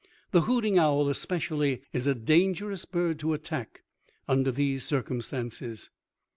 The hooting owl especially is a dangerous bird to attack under these circumstances.